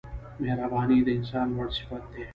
• مهرباني د انسان لوړ صفت دی.